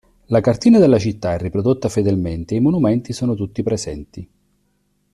La cartina della città è riprodotta fedelmente e i monumenti sono tutti presenti.